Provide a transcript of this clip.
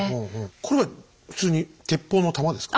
これは普通に鉄砲の弾ですか？